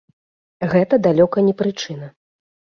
Гэта далёка не прычына.